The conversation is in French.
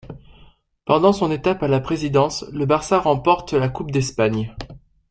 Pendant son étape à la présidence, le Barça remporte la Coupe d'Espagne.